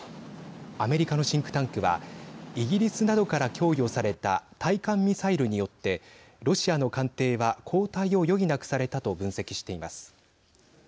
アメリカのシンクタンクはイギリスなどから供与された対艦ミサイルによってロシアの艦艇は後退を余儀なくされたと分析しています。